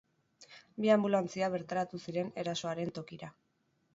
Bi anbulantzia bertaratu ziren erasoaren tokira.